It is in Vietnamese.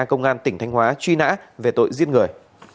công an tỉnh thanh hóa truy nã về tội giết người